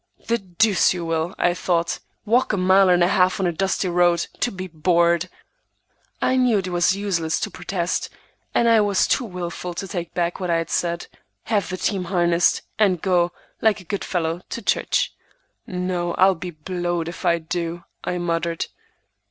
"The deuce you will!" I thought; "walk a mile and a half on a dusty road; to be bored!" I knew it was useless to protest, and I was too wilful to take back what I had said, have the team harnessed, and go, like a good fellow, to church. "No, I'll be blowed if I do!" I muttered.